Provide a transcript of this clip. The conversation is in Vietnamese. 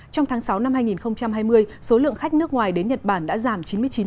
trong tháng sáu năm hai nghìn hai mươi số lượng khách nước ngoài đến nhật bản đã giảm chín mươi chín